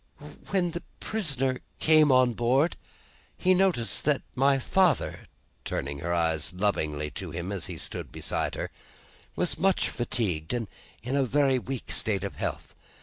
"When the prisoner came on board, he noticed that my father," turning her eyes lovingly to him as he stood beside her, "was much fatigued and in a very weak state of health.